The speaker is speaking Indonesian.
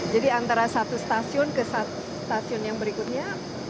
jadi antara satu stasiun ke stasiun yang berikutnya